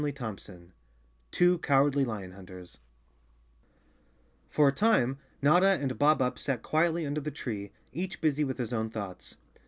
58 CHAPTER 5 Two Cowardly Lion Hunters F OR a time Notta and Bob Up sat quietly under the tree, each busy with his own thoughts.